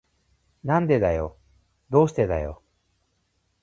なんでだよ。どうしてだよ。